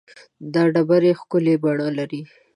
دا ډبرې ښکلې بڼه لري.